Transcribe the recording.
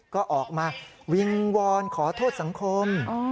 ก็ออกมาวิงวอนขอโทษสังคม